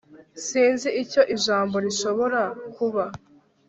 Sinzi icyo ijambo rishobora kuba